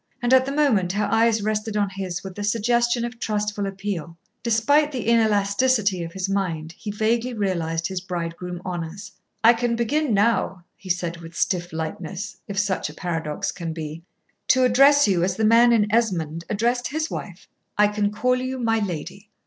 And at the moment her eyes rested on his with the suggestion of trustful appeal. Despite the inelasticity of his mind, he vaguely realised his bridegroom honours. "I can begin now," he said with stiff lightness, if such a paradox can be, "to address you as the man in Esmond addressed his wife. I can call you 'my lady.'"